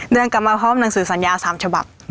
เดินกลับมาพร้อมหนังสือสัญญา๓ฉบับ